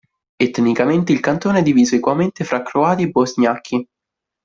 Etnicamente, il cantone è diviso equamente fra croati e bosgnacchi.